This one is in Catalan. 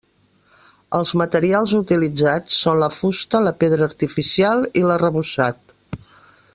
Els materials utilitzats són la fusta, la pedra artificial i l'arrebossat.